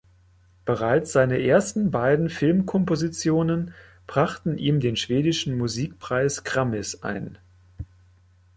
Bereits seine ersten beiden Filmkompositionen brachten ihm den schwedischen Musikpreis Grammis ein.